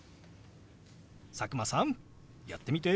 佐久間さんやってみて。